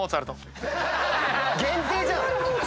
限定じゃん！